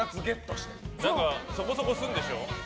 そこそこするんでしょ？